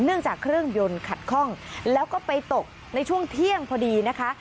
จากเครื่องยนต์ขัดคล่องแล้วก็ไปตกในช่วงเที่ยงพอดีนะคะ